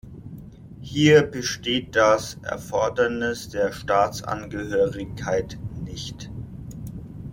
Hier besteht das Erfordernis der Staatsangehörigkeit nicht.